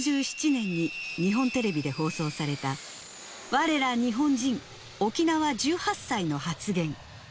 １９６７年に日本テレビで放送された、われら日本人、沖縄１８歳の発言。